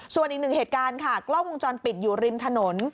ส่วนอีกหนึ่งเหตุการณ์ค่ะกล้องวงจรปิดอยู่ริมถนน